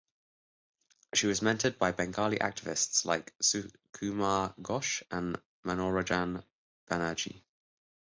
She was mentored by Bengali activists like Sukumar Ghosh and Manoranjan Banerjee.